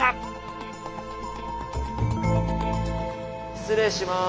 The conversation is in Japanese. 失礼します。